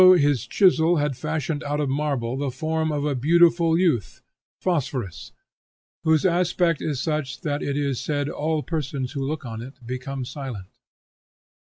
his chisel had fashioned out of marble the form of a beautiful youth, Phosphorus, whose aspect is such that it is said all persons who look on it become silent.